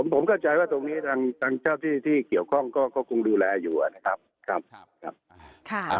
ผมเข้าใจว่าตรงนี้ทางเจ้าที่ที่เกี่ยวข้องก็คงดูแลอยู่นะครับ